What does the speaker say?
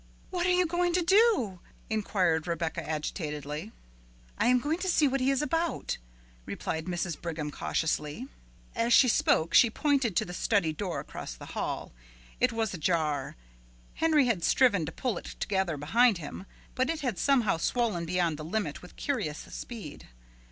"What are you going to do?" inquired Rebecca agitatedly. "I am going to see what he is about," replied Mrs. Brigham cautiously. As she spoke she pointed to the study door across the hall; it was ajar. Henry had striven to pull it together behind him, but it had somehow swollen beyond the limit with curious speed.